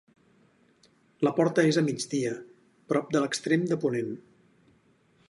La porta és a migdia, prop de l'extrem de ponent.